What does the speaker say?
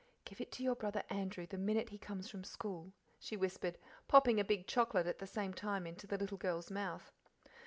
"'Give it to your brother Andrew the minute he comes from school," she whispered, popping a big chocolate at the same time into the little girl's mouth.